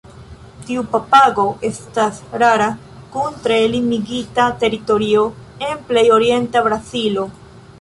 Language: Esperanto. Tiu papago estas rara kun tre limigita teritorio en plej orienta Brazilo.